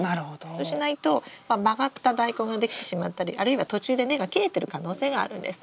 そうしないと曲がったダイコンができてしまったりあるいは途中で根が切れてる可能性があるんです。